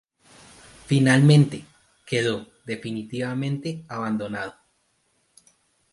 Finalmente, quedó definitivamente abandonado.